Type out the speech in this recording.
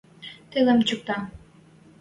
Тылым чӱктӓ